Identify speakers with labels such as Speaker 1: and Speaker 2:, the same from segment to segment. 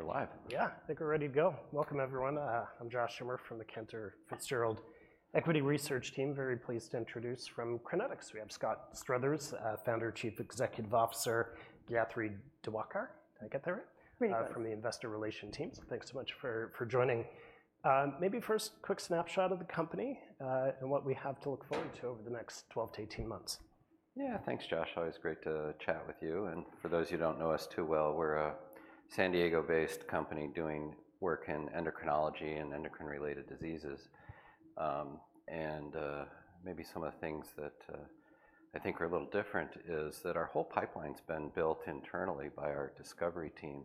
Speaker 1: Okay, I guess we're live.
Speaker 2: Yeah, I think we're ready to go. Welcome, everyone. I'm Josh Schimmer from the Cantor Fitzgerald Equity Research Team. Very pleased to introduce from Crinetics, we have Scott Struthers, Founder and Chief Executive Officer, Gayathri Diwakar, did I get that right?
Speaker 3: Right.
Speaker 2: From the investor relations team. So thanks so much for joining. Maybe first, quick snapshot of the company, and what we have to look forward to over the next 12-18 months.
Speaker 1: Yeah. Thanks, Josh. Always great to chat with you, and for those who don't know us too well, we're a San Diego-based company doing work in endocrinology and endocrine-related diseases, and maybe some of the things that I think are a little different is that our whole pipeline's been built internally by our discovery team,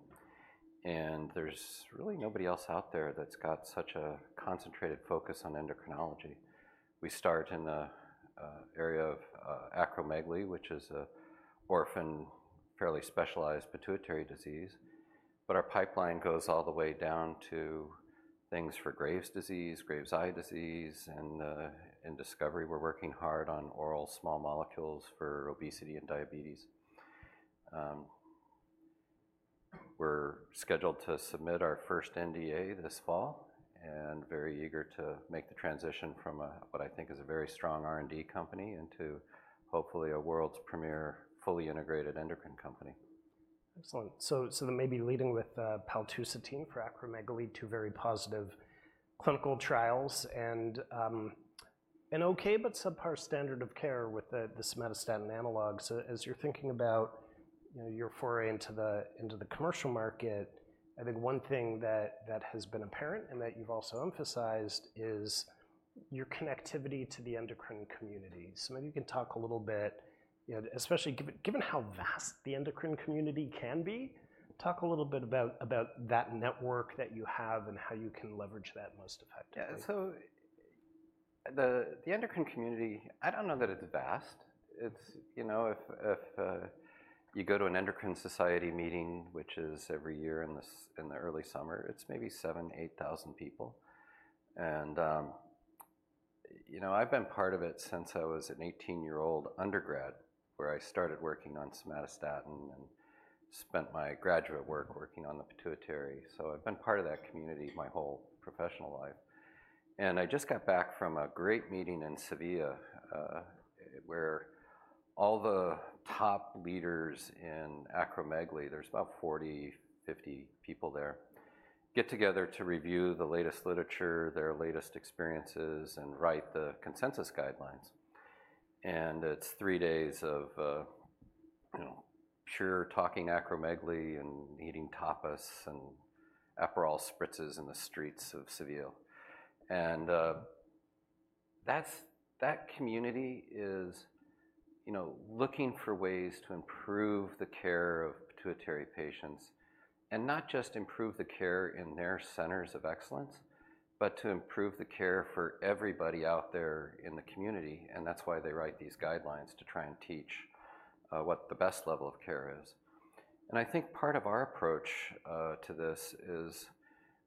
Speaker 1: and there's really nobody else out there that's got such a concentrated focus on endocrinology. We start in the area of acromegaly, which is an orphan, fairly specialized pituitary disease, but our pipeline goes all the way down to things for Graves' disease, Graves' eye disease, and in discovery, we're working hard on oral small molecules for obesity and diabetes. We're scheduled to submit our first NDA this fall, and very eager to make the transition from a, what I think is a very strong R&D company into, hopefully, a world's premier, fully integrated endocrine company.
Speaker 2: Excellent. So then maybe leading with paltusotine for acromegaly to very positive clinical trials, and okay, but subpar standard of care with the somatostatin analog. So as you're thinking about, you know, your foray into the commercial market, I think one thing that has been apparent and that you've also emphasized is your connectivity to the endocrine community. So maybe you can talk a little bit, you know, especially given how vast the endocrine community can be, talk a little bit about that network that you have and how you can leverage that most effectively.
Speaker 1: Yeah, so the endocrine community, I don't know that it's vast. It's you know, if you go to an Endocrine Society meeting, which is every year in the early summer, it's maybe seven, eight thousand people. And you know, I've been part of it since I was an 18-year-old undergrad, where I started working on somatostatin and spent my graduate work working on the pituitary, so I've been part of that community my whole professional life. And I just got back from a great meeting in Seville, where all the top leaders in acromegaly, there's about 40, 50 people there, get together to review the latest literature, their latest experiences, and write the consensus guidelines. And it's three days of you know, pure talking acromegaly and eating tapas and Aperol spritzes in the streets of Seville. That community is, you know, looking for ways to improve the care of pituitary patients, and not just improve the care in their centers of excellence, but to improve the care for everybody out there in the community, and that's why they write these guidelines to try and teach what the best level of care is. I think part of our approach to this is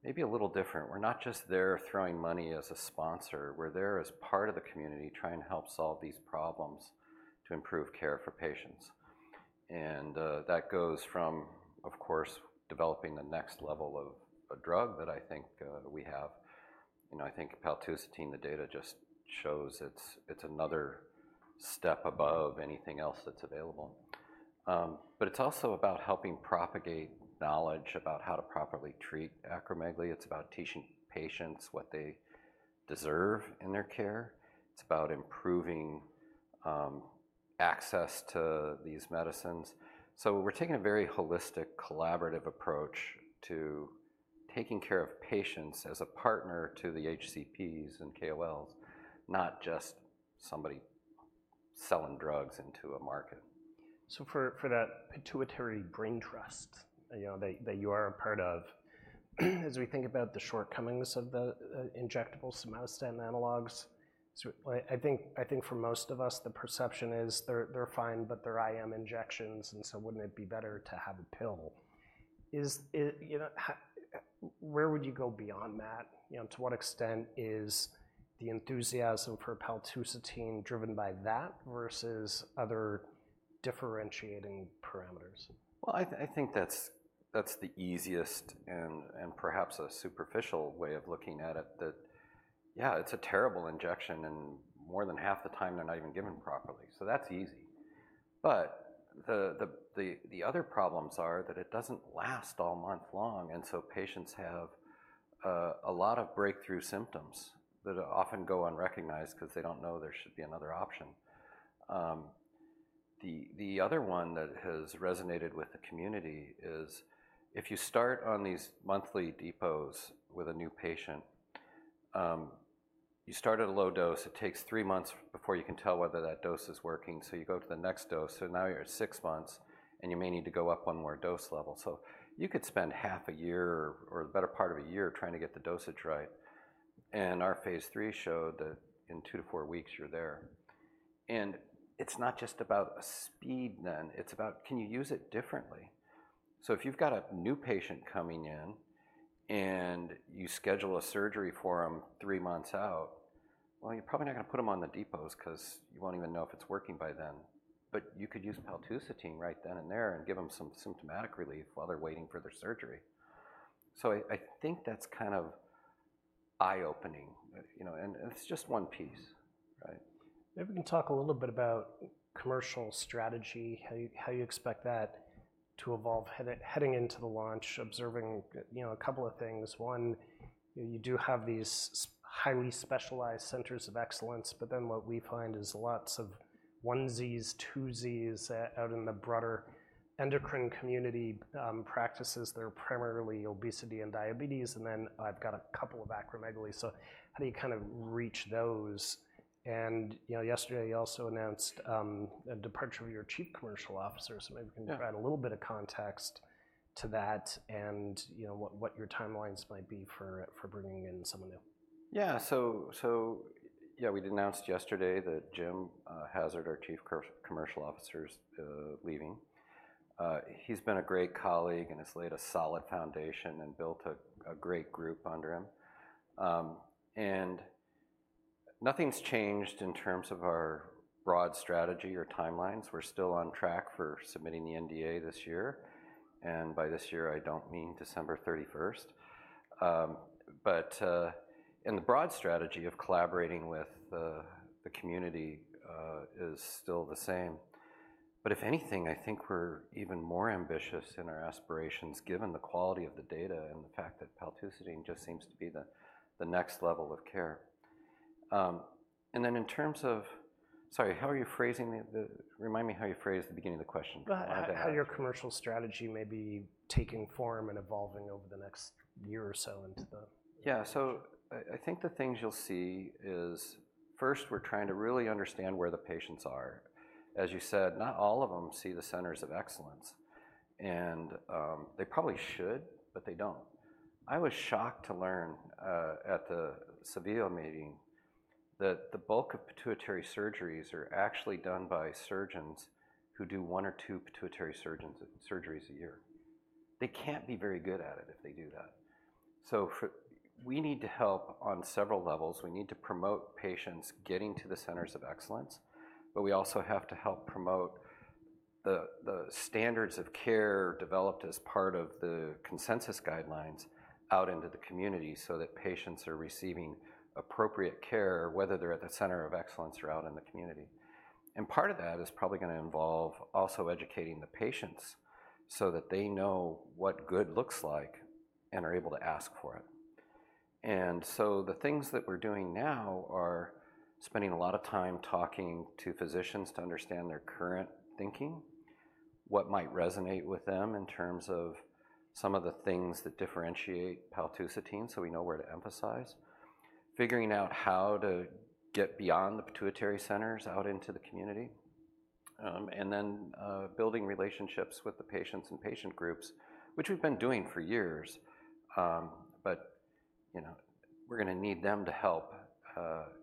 Speaker 1: maybe a little different. We're not just there throwing money as a sponsor, we're there as part of the community, trying to help solve these problems to improve care for patients. That goes from, of course, developing the next level of a drug that I think we have. You know, I think paltusotine, the data just shows it's, it's another step above anything else that's available. But it's also about helping propagate knowledge about how to properly treat acromegaly. It's about teaching patients what they deserve in their care. It's about improving access to these medicines. So we're taking a very holistic, collaborative approach to taking care of patients as a partner to the HCPs and KOLs, not just somebody selling drugs into a market.
Speaker 2: So for that pituitary brain trust, you know, that you are a part of, as we think about the shortcomings of the injectable somatostatin analogs, so I think for most of us, the perception is they're fine, but they're IM injections, and so wouldn't it be better to have a pill? Is it, you know, where would you go beyond that? You know, to what extent is the enthusiasm for paltusotine driven by that versus other differentiating parameters?
Speaker 1: I think that's the easiest and perhaps a superficial way of looking at it, that yeah, it's a terrible injection, and more than half the time they're not even given properly, so that's easy. But the other problems are that it doesn't last all month long, and so patients have a lot of breakthrough symptoms that often go unrecognized 'cause they don't know there should be another option. The other one that has resonated with the community is, if you start on these monthly depots with a new patient, you start at a low dose. It takes three months before you can tell whether that dose is working, so you go to the next dose, so now you're at six months, and you may need to go up one more dose level. So you could spend half a year or the better part of a year trying to get the dosage right, and our phase three showed that in two to four weeks, you're there. And it's not just about a speed then, it's about, can you use it differently? So if you've got a new patient coming in and you schedule a surgery for them three months out, well, you're probably not going to put them on the depots 'cause you won't even know if it's working by then. But you could use paltusotine right then and there and give them some symptomatic relief while they're waiting for their surgery. So I think that's kind of eye-opening, you know, and it's just one piece, right?
Speaker 2: Maybe we can talk a little bit about commercial strategy, how you expect that to evolve heading into the launch, observing, you know, a couple of things. One, you know, you do have these highly specialized centers of excellence, but then what we find is lots of onesies, twosies out in the broader endocrine community, practices that are primarily obesity and diabetes, and then I've got a couple of acromegaly. So how do you kind of reach those? And, you know, yesterday, you also announced a departure of your Chief Commercial Officer. So maybe you-
Speaker 1: Yeah...
Speaker 2: can add a little bit of context to that and, you know, what your timelines might be for bringing in someone new.
Speaker 1: Yeah. So, yeah, we'd announced yesterday that Jim Hassard, our Chief Commercial Officer, is leaving. He's been a great colleague and has laid a solid foundation and built a great group under him. And nothing's changed in terms of our broad strategy or timelines. We're still on track for submitting the NDA this year, and by this year, I don't mean December 31st. But and the broad strategy of collaborating with the community is still the same. But if anything, I think we're even more ambitious in our aspirations, given the quality of the data and the fact that paltusotine just seems to be the next level of care. And then in terms of... Sorry, how are you phrasing the remind me how you phrased the beginning of the question about how-
Speaker 2: About how your commercial strategy may be taking form and evolving over the next year or so into the-
Speaker 1: Yeah. So I think the things you'll see is, first, we're trying to really understand where the patients are. As you said, not all of them see the centers of excellence, and they probably should, but they don't. I was shocked to learn at the Seville meeting that the bulk of pituitary surgeries are actually done by surgeons who do one or two pituitary surgeries a year. They can't be very good at it if they do that. So we need to help on several levels. We need to promote patients getting to the centers of excellence, but we also have to help promote the standards of care developed as part of the consensus guidelines out into the community so that patients are receiving appropriate care, whether they're at the center of excellence or out in the community. And part of that is probably gonna involve also educating the patients so that they know what good looks like and are able to ask for it. And so the things that we're doing now are spending a lot of time talking to physicians to understand their current thinking, what might resonate with them in terms of some of the things that differentiate paltusotine, so we know where to emphasize, figuring out how to get beyond the pituitary centers out into the community, and then, building relationships with the patients and patient groups, which we've been doing for years. But, you know, we're gonna need them to help,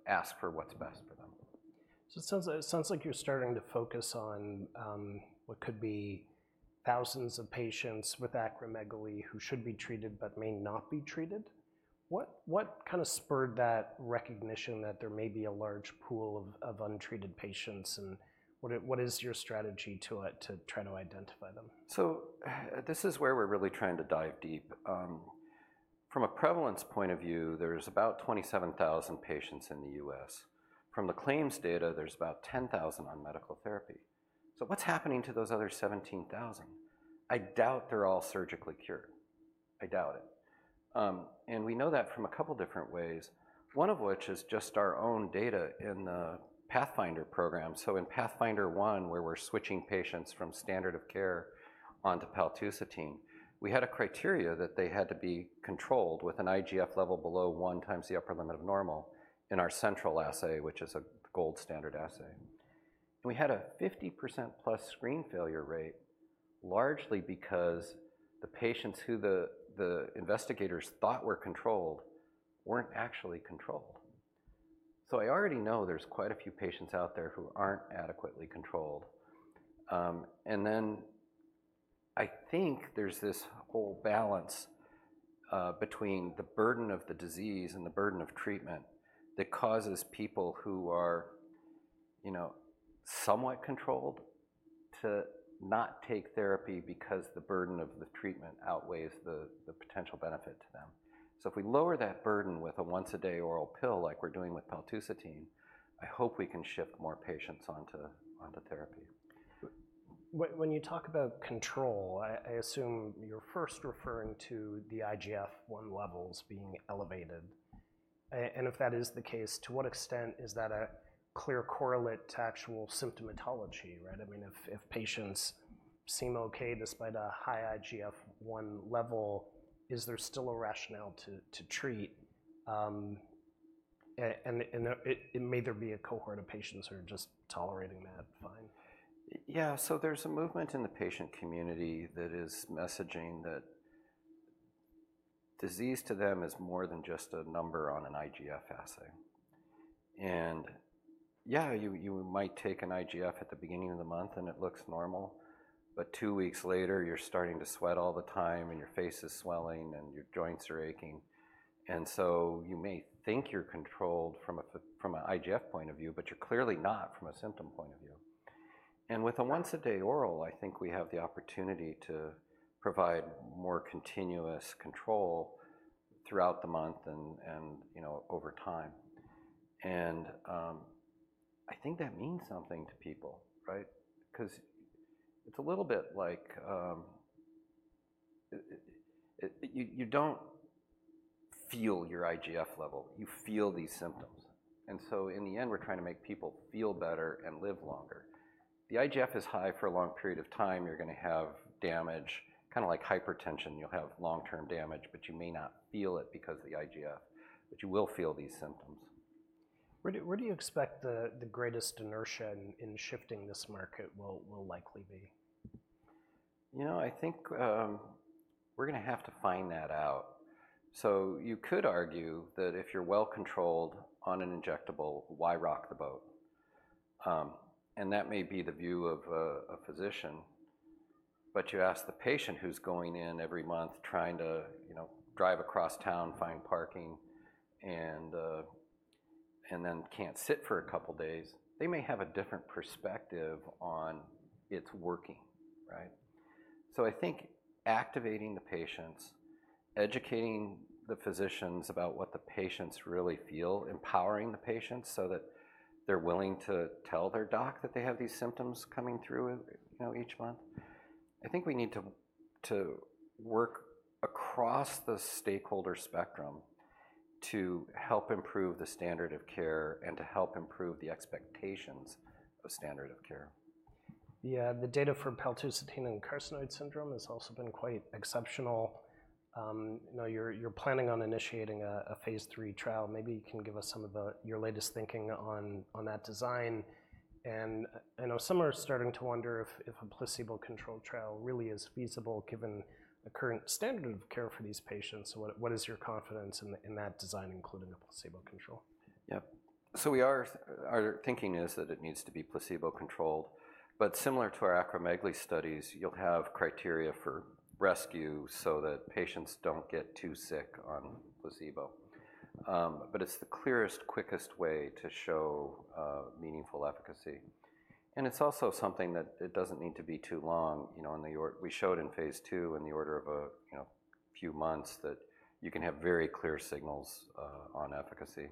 Speaker 1: ask for what's best for them.
Speaker 2: So it sounds like you're starting to focus on what could be thousands of patients with acromegaly who should be treated but may not be treated. What kind of spurred that recognition that there may be a large pool of untreated patients, and what is your strategy to it, to try to identify them?
Speaker 1: So this is where we're really trying to dive deep. From a prevalence point of view, there's about 27,000 patients in the U.S. From the claims data, there's about 10,000 on medical therapy. So what's happening to those other 17,000? I doubt they're all surgically cured. I doubt it. And we know that from a couple different ways, one of which is just our own data in the PATHFNDR program. So in PATHFNDR-1, where we're switching patients from standard of care onto paltusotine, we had a criteria that they had to be controlled with an IGF level below one times the upper limit of normal in our central assay, which is a gold standard assay. And we had a 50% plus screen failure rate, largely because the patients who the investigators thought were controlled weren't actually controlled. I already know there's quite a few patients out there who aren't adequately controlled. I think there's this whole balance between the burden of the disease and the burden of treatment that causes people who are, you know, somewhat controlled to not take therapy because the burden of the treatment outweighs the potential benefit to them. If we lower that burden with a once-a-day oral pill, like we're doing with paltusotine, I hope we can shift more patients onto therapy.
Speaker 2: When you talk about control, I assume you're first referring to the IGF-1 levels being elevated, and if that is the case, to what extent is that a clear correlate to actual symptomatology, right? I mean, if patients seem okay despite a high IGF-1 level, is there still a rationale to treat, and may there be a cohort of patients who are just tolerating that fine?
Speaker 1: Yeah. So there's a movement in the patient community that is messaging that disease to them is more than just a number on an IGF assay... and yeah, you might take an IGF at the beginning of the month, and it looks normal, but two weeks later, you're starting to sweat all the time, and your face is swelling, and your joints are aching. And so you may think you're controlled from a IGF point of view, but you're clearly not from a symptom point of view. And with a once-a-day oral, I think we have the opportunity to provide more continuous control throughout the month and, you know, over time. And I think that means something to people, right? 'Cause it's a little bit like... You don't feel your IGF level, you feel these symptoms. And so in the end, we're trying to make people feel better and live longer. If the IGF is high for a long period of time, you're gonna have damage. Kinda like hypertension, you'll have long-term damage, but you may not feel it because of the IGF, but you will feel these symptoms.
Speaker 2: Where do you expect the greatest inertia in shifting this market will likely be?
Speaker 1: You know, I think, we're gonna have to find that out. So you could argue that if you're well-controlled on an injectable, why rock the boat? And that may be the view of a physician, but you ask the patient who's going in every month, trying to, you know, drive across town, find parking, and then can't sit for a couple days, they may have a different perspective on it's working, right? So I think activating the patients, educating the physicians about what the patients really feel, empowering the patients so that they're willing to tell their doc that they have these symptoms coming through, you know, each month. I think we need to work across the stakeholder spectrum to help improve the standard of care and to help improve the expectations of standard of care.
Speaker 2: Yeah, the data for paltusotine and carcinoid syndrome has also been quite exceptional. I know you're planning on initiating a phase three trial. Maybe you can give us some of the... your latest thinking on that design. And I know some are starting to wonder if a placebo-controlled trial really is feasible, given the current standard of care for these patients. So what is your confidence in that design, including a placebo control?
Speaker 1: Yeah. So our thinking is that it needs to be placebo-controlled, but similar to our acromegaly studies, you'll have criteria for rescue so that patients don't get too sick on placebo. But it's the clearest, quickest way to show meaningful efficacy, and it's also something that it doesn't need to be too long. You know, we showed in phase two, in the order of a few months, that you can have very clear signals on efficacy.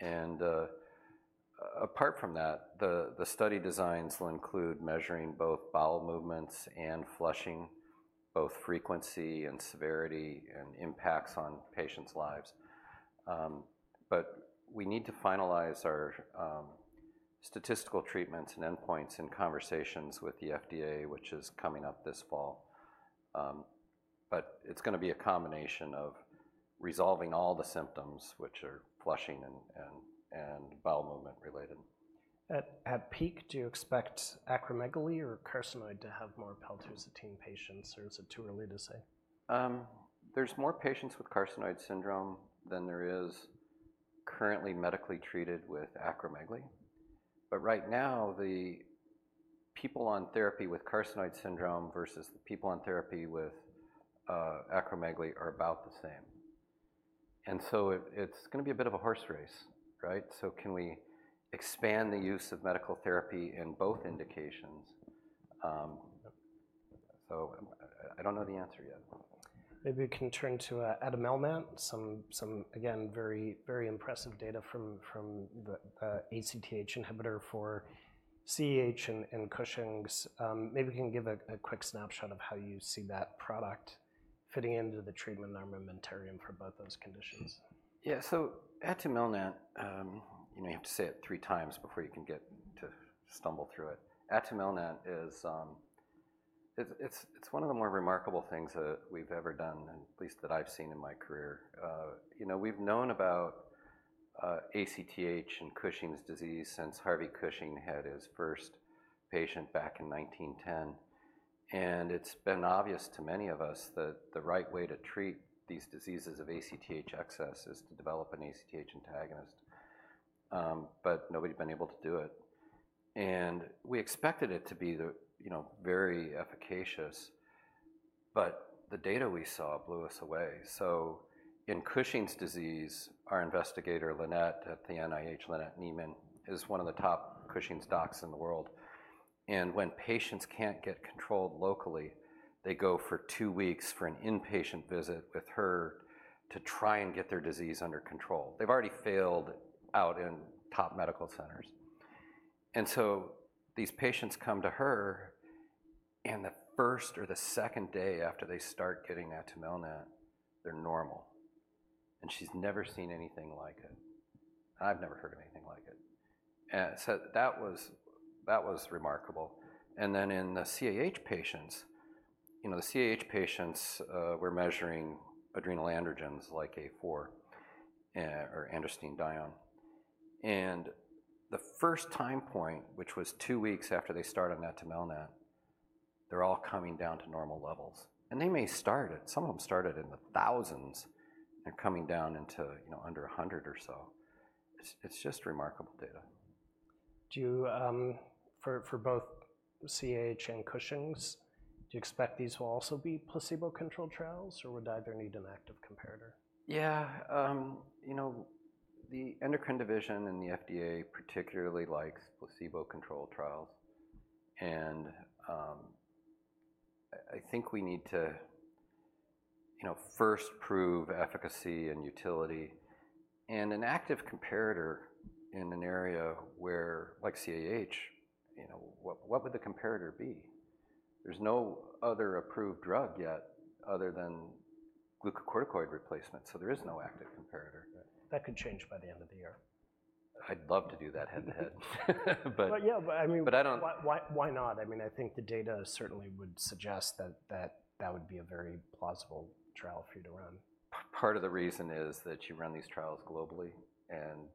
Speaker 1: And apart from that, the study designs will include measuring both bowel movements and flushing, both frequency and severity, and impacts on patients' lives. But we need to finalize our statistical treatments and endpoints and conversations with the FDA, which is coming up this fall. But it's gonna be a combination of resolving all the symptoms, which are flushing and bowel movement-related.
Speaker 2: At peak, do you expect acromegaly or carcinoid to have more paltusotine patients, or is it too early to say?
Speaker 1: There's more patients with carcinoid syndrome than there is currently medically treated with acromegaly. But right now, the people on therapy with carcinoid syndrome versus the people on therapy with acromegaly are about the same, and so it's gonna be a bit of a horse race, right? So can we expand the use of medical therapy in both indications? So I don't know the answer yet.
Speaker 2: Maybe we can turn to atumelnant. Some again, very impressive data from the ACTH inhibitor for CAH and Cushing's. Maybe you can give a quick snapshot of how you see that product fitting into the treatment armamentarium for both those conditions.
Speaker 1: Yeah, so atumelnant, you know, you have to say it three times before you can get to stumble through it. Atumelnant is... it's one of the more remarkable things that we've ever done, and at least that I've seen in my career. You know, we've known about ACTH and Cushing's disease since Harvey Cushing had his first patient back in 1910, and it's been obvious to many of us that the right way to treat these diseases of ACTH excess is to develop an ACTH antagonist. But nobody's been able to do it, and we expected it to be, you know, very efficacious, but the data we saw blew us away. So in Cushing's disease, our investigator, Lynnette, at the NIH, Lynnette Nieman, is one of the top Cushing's docs in the world, and when patients can't get controlled locally, they go for two weeks for an inpatient visit with her to try and get their disease under control. They've already failed out in top medical centers. And so these patients come to her, and the first or the second day after they start getting atumelnant, they're normal, and she's never seen anything like it. I've never heard of anything like it. And so that was, that was remarkable. And then in the CAH patients, you know, the CAH patients were measuring adrenal androgens, like A4 or androstenedione. And the first time point, which was two weeks after they started on atumelnant-... They're all coming down to normal levels, and they may start at some of them started in the thousands. They're coming down into, you know, under a hundred or so. It's just remarkable data.
Speaker 2: Do you, for both CAH and Cushing's, do you expect these will also be placebo-controlled trials, or would either need an active comparator?
Speaker 1: Yeah. You know, the endocrine division and the FDA particularly likes placebo-controlled trials, and I think we need to, you know, first prove efficacy and utility. And an active comparator in an area where, like CAH, you know, what would the comparator be? There's no other approved drug yet other than glucocorticoid replacement, so there is no active comparator.
Speaker 2: That could change by the end of the year.
Speaker 1: I'd love to do that head-to-head, but-
Speaker 2: Yeah, but I mean-
Speaker 1: But I don't-
Speaker 2: Why, why, why not? I mean, I think the data certainly would suggest that would be a very plausible trial for you to run.
Speaker 1: Part of the reason is that you run these trials globally, and,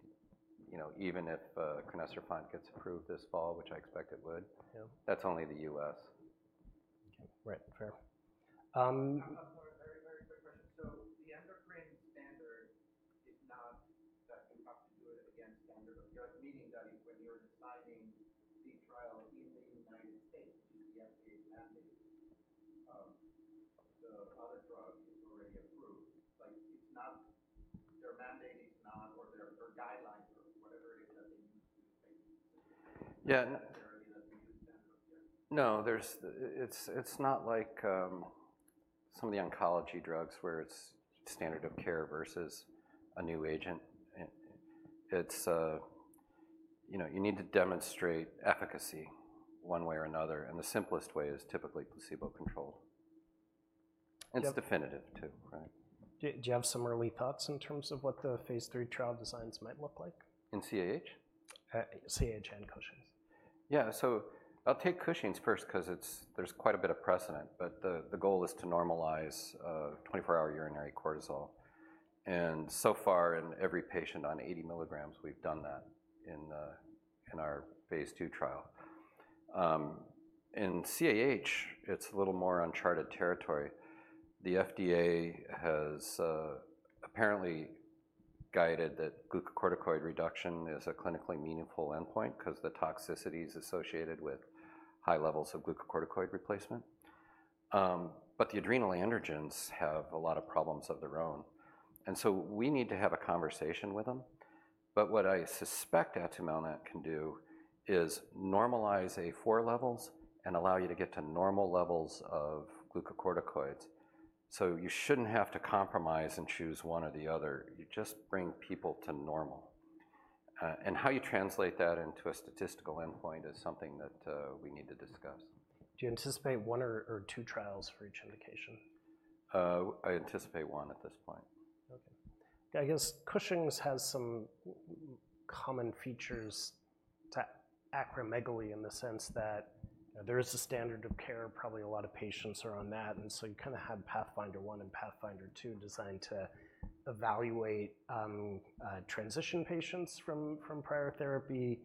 Speaker 1: you know, even if crinecerfont gets approved this fall, which I expect it would-
Speaker 2: Yeah...
Speaker 1: that's only the U.S.
Speaker 2: Okay. Right. Fair. I have a very, very quick question. So the endocrine standard is not testing up to do it against standard of care, meaning that if, when you're designing the trial in the United States, the FDA mandated the other drugs already approved. Like, it's not... They're mandating it not or there are guidelines or whatever it is that they use?
Speaker 1: Yeah. There any that you use then? No, there's, it's not like some of the oncology drugs where it's standard of care versus a new agent. It's, you know, you need to demonstrate efficacy one way or another, and the simplest way is typically placebo-controlled.
Speaker 2: Yeah.
Speaker 1: It's definitive, too, right?
Speaker 2: Do you have some early thoughts in terms of what the phase III trial designs might look like?
Speaker 1: In CAH?
Speaker 2: CAH and Cushing's.
Speaker 1: Yeah, so I'll take Cushing's first 'cause it's. There's quite a bit of precedent, but the goal is to normalize 24-hour urinary cortisol, and so far, in every patient on 80 milligrams, we've done that in our phase II trial. In CAH, it's a little more uncharted territory. The FDA has apparently guided that glucocorticoid reduction is a clinically meaningful endpoint 'cause the toxicities associated with high levels of glucocorticoid replacement. But the adrenal androgens have a lot of problems of their own, and so we need to have a conversation with them. But what I suspect atumelnant can do is normalize A4 levels and allow you to get to normal levels of glucocorticoids. You shouldn't have to compromise and choose one or the other. You just bring people to normal. And how you translate that into a statistical endpoint is something that we need to discuss.
Speaker 2: Do you anticipate one or two trials for each indication?
Speaker 1: I anticipate one at this point.
Speaker 2: Okay. I guess Cushing's has some common features to acromegaly in the sense that there is a standard of care. Probably a lot of patients are on that, and so you kind of had PATHFNDR -1 and PATHFNDR-2 designed to evaluate transition patients from prior therapy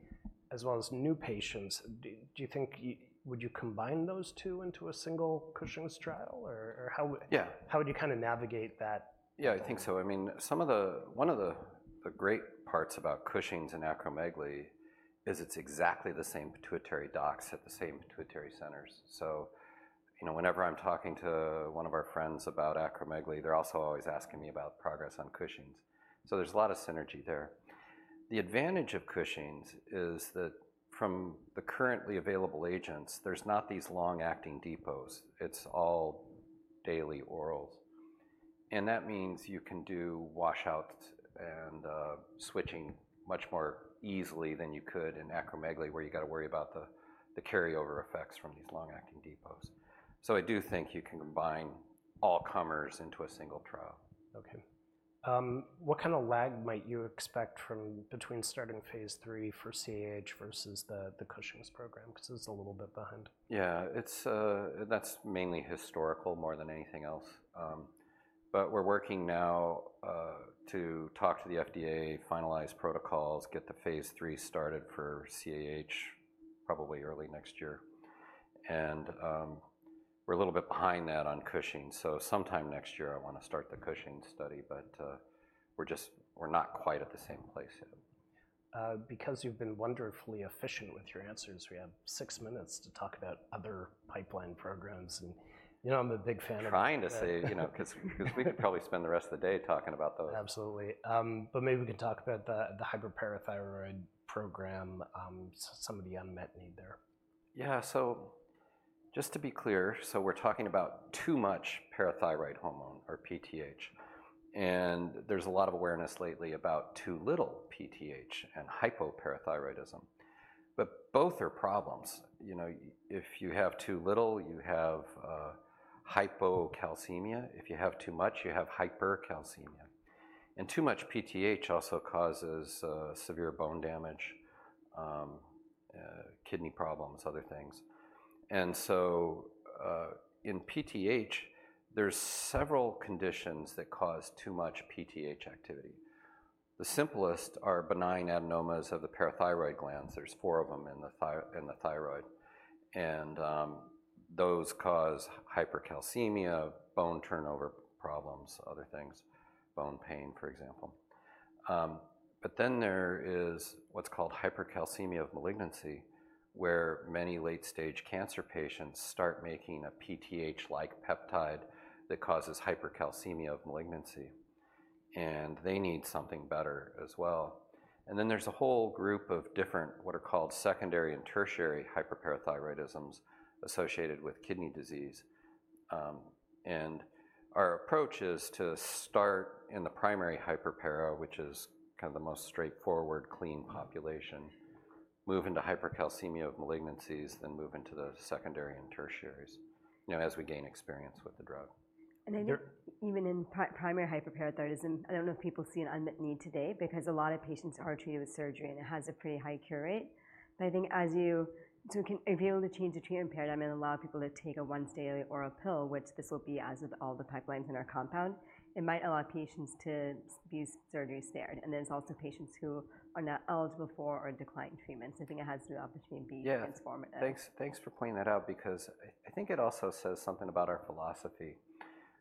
Speaker 2: as well as new patients. Do you think you would combine those two into a single Cushing's trial, or how would-
Speaker 1: Yeah.
Speaker 2: How would you kind of navigate that?
Speaker 1: Yeah, I think so. I mean, one of the great parts about Cushing's and acromegaly is it's exactly the same pituitary docs at the same pituitary centers. So, you know, whenever I'm talking to one of our friends about acromegaly, they're also always asking me about progress on Cushing's, so there's a lot of synergy there. The advantage of Cushing's is that from the currently available agents, there's not these long-acting depots. It's all daily orals, and that means you can do washouts and switching much more easily than you could in acromegaly, where you've got to worry about the carryover effects from these long-acting depots. So I do think you can combine all comers into a single trial.
Speaker 2: Okay. What kind of lag might you expect from between starting phase III for CAH versus the Cushing's program? 'Cause it's a little bit behind.
Speaker 1: Yeah. It's... That's mainly historical more than anything else, but we're working now to talk to the FDA, finalize protocols, get the phase III started for CAH, probably early next year, and we're a little bit behind that on Cushing's, so sometime next year, I want to start the Cushing's study, but we're just not quite at the same place yet.
Speaker 2: Because you've been wonderfully efficient with your answers, we have six minutes to talk about other pipeline programs, and you know I'm a big fan of-
Speaker 1: you know, 'cause we could probably spend the rest of the day talking about those.
Speaker 2: Absolutely, but maybe we can talk about the hyperparathyroidism program, some of the unmet need there.
Speaker 1: Yeah. So just to be clear, so we're talking about too much parathyroid hormone or PTH, and there's a lot of awareness lately about too little PTH and hypoparathyroidism, but both are problems. You know, if you have too little, you have hypocalcemia. If you have too much, you have hypercalcemia. And too much PTH also causes severe bone damage, kidney problems, other things. And so, in PTH, there's several conditions that cause too much PTH activity. The simplest are benign adenomas of the parathyroid glands. There's four of them in the thyroid, and those cause hypercalcemia, bone turnover problems, other things, bone pain, for example. But then there is what's called hypercalcemia of malignancy, where many late-stage cancer patients start making a PTH-like peptide that causes hypercalcemia of malignancy, and they need something better as well. And then there's a whole group of different, what are called secondary and tertiary hyperparathyroidism associated with kidney disease. And our approach is to start in the primary hyperpara, which is kind of the most straightforward, clean population, move into hypercalcemia of malignancies, then move into the secondary and tertiaries, you know, as we gain experience with the drug.
Speaker 3: I think.
Speaker 1: There-
Speaker 3: even in primary hyperparathyroidism, I don't know if people see an unmet need today because a lot of patients are treated with surgery, and it has a pretty high cure rate. But I think if you're able to change the treatment paradigm and allow people to take a once daily oral pill, which this will be as with all the pipelines in our compound, it might allow patients to use surgery instead. And there's also patients who are not eligible for or decline treatment, so I think it has the opportunity-
Speaker 1: Yeah
Speaker 3: - to be transformative.
Speaker 1: Thanks, thanks for pointing that out because I think it also says something about our philosophy.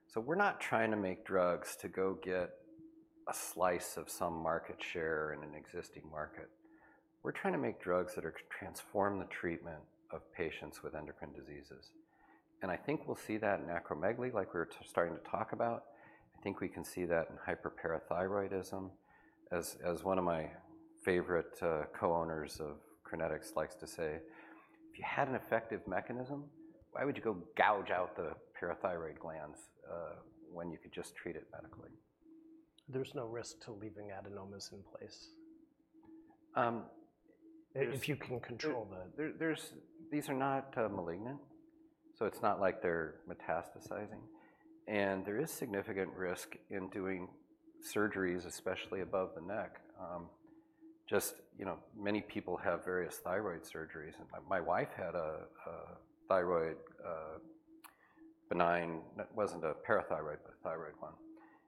Speaker 1: So we're not trying to make drugs to go get a slice of some market share in an existing market. We're trying to make drugs that are transform the treatment of patients with endocrine diseases, and I think we'll see that in acromegaly, like we're starting to talk about. I think we can see that in hyperparathyroidism. As one of my favorite co-owners of Crinetics likes to say, "If you had an effective mechanism, why would you go gouge out the parathyroid glands, when you could just treat it medically?
Speaker 2: There's no risk to leaving adenomas in place?
Speaker 1: Um, there's-
Speaker 2: If you can control the-
Speaker 1: These are not malignant, so it's not like they're metastasizing. And there is significant risk in doing surgeries, especially above the neck. Just, you know, many people have various thyroid surgeries, and my wife had a thyroid benign. It wasn't a parathyroid, but a thyroid one.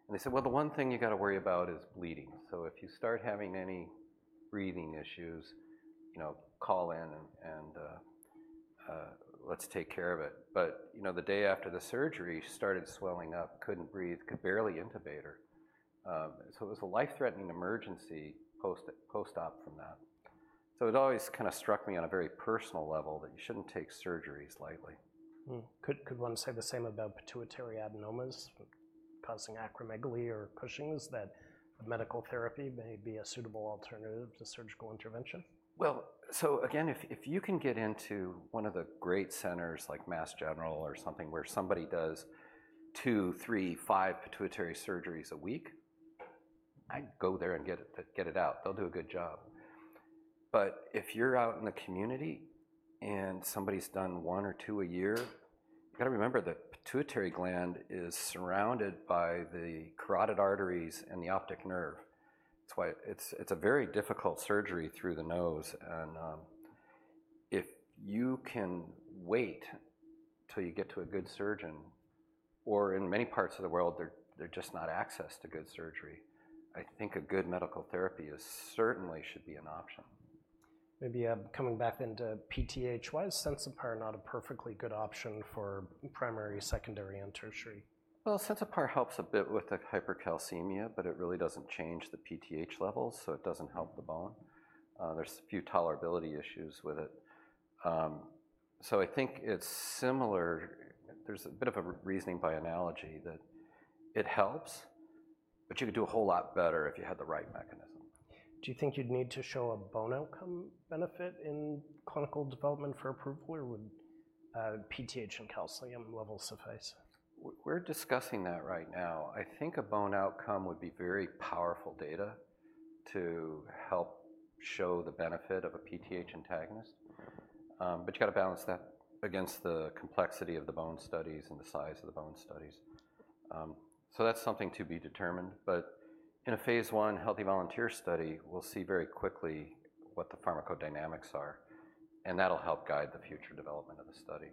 Speaker 1: And they said, "Well, the one thing you gotta worry about is bleeding. So if you start having any breathing issues, you know, call in and let's take care of it." But, you know, the day after the surgery, she started swelling up, couldn't breathe, could barely intubate her. So it was a life-threatening emergency post-op from that. So it always kinda struck me on a very personal level that you shouldn't take surgery slightly.
Speaker 2: Hmm. Could one say the same about pituitary adenomas causing acromegaly or Cushing's, that medical therapy may be a suitable alternative to surgical intervention?
Speaker 1: So again, if you can get into one of the great centers, like Mass General or something, where somebody does two, three, five pituitary surgeries a week, I'd go there and get it out. They'll do a good job. But if you're out in the community and somebody's done one or two a year, you got to remember, the pituitary gland is surrounded by the carotid arteries and the optic nerve. It's why it's a very difficult surgery through the nose, and if you can wait till you get to a good surgeon, or in many parts of the world, there's just not access to good surgery. I think a good medical therapy is certainly should be an option.
Speaker 2: Maybe, coming back into PTH, why is Sensipar not a perfectly good option for primary, secondary, and tertiary?
Speaker 1: Sensipar helps a bit with the hypercalcemia, but it really doesn't change the PTH levels, so it doesn't help the bone. There's a few tolerability issues with it. So I think it's similar. There's a bit of a reasoning by analogy that it helps, but you could do a whole lot better if you had the right mechanism.
Speaker 2: Do you think you'd need to show a bone outcome benefit in clinical development for approval, or would PTH and calcium levels suffice?
Speaker 1: We're discussing that right now. I think a bone outcome would be very powerful data to help show the benefit of a PTH antagonist. But you've got to balance that against the complexity of the bone studies and the size of the bone studies. So that's something to be determined, but in a phase I healthy volunteer study, we'll see very quickly what the pharmacodynamics are, and that'll help guide the future development of the study.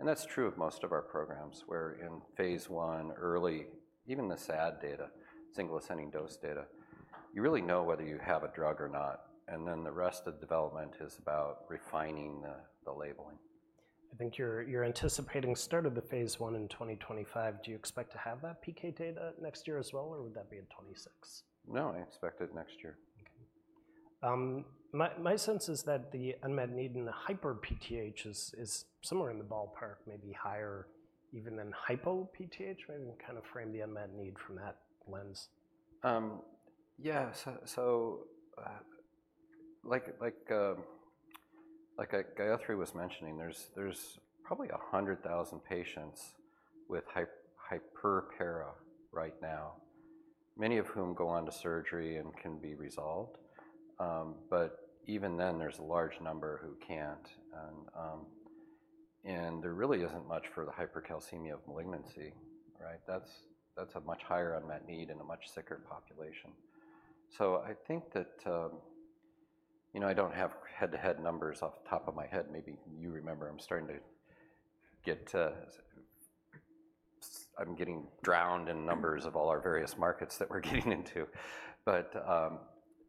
Speaker 1: And that's true of most of our programs, where in phase I, early, even the SAD data, single ascending dose data, you really know whether you have a drug or not, and then the rest of the development is about refining the labeling.
Speaker 2: I think you're anticipating start of the phase I in 2025. Do you expect to have that PK data next year as well, or would that be in 2026?
Speaker 1: No, I expect it next year.
Speaker 2: Okay. My sense is that the unmet need in the hyper PTH is somewhere in the ballpark, maybe higher even than hypo PTH. Maybe we'll kind of frame the unmet need from that lens.
Speaker 1: Yeah, so, so, like, like, Gayathri was mentioning, there's, there's probably 100,000 patients with hyperpara right now, many of whom go on to surgery and can be resolved. But even then, there's a large number who can't, and, and there really isn't much for the hypercalcemia of malignancy, right? That's, that's a much higher unmet need and a much sicker population. So I think that... You know, I don't have head-to-head numbers off the top of my head. Maybe you remember. I'm starting to get, I'm getting drowned in numbers of all our various markets that we're getting into. But,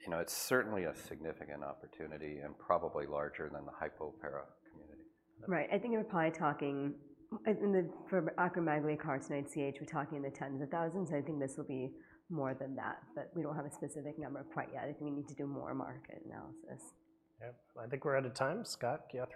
Speaker 1: you know, it's certainly a significant opportunity and probably larger than the hyperpara community.
Speaker 3: Right. I think we're probably talking for acromegaly, carcinoid syndrome, we're talking in the tens of thousands. I think this will be more than that, but we don't have a specific number quite yet. I think we need to do more market analysis.
Speaker 2: Yeah. I think we're out of time. Scott, Gayathri?